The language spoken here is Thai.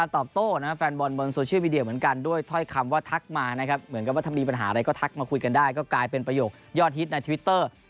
แต่ถ้ามีปัญหาอะไรก็ทักมาคุยกันได้ก็กลายเป็นประโยคยอดฮิตในทวิตเตอร์